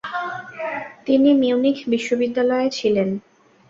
তিনি মিউনিখ বিশ্ববিদ্যালয়ে ছিলেন।